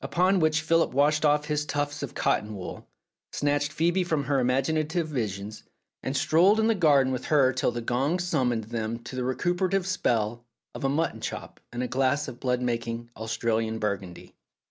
Upon which Philip washed off his tufts of cotton wool, snatched Phcebe from her imaginative visions, and strolled in the garden with her till the gong summoned them to the recuperative spell of a mutton chop and a glass of blood making Australian Burgundy.